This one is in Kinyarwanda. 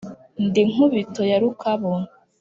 Ndi Nkubito ya Rukabu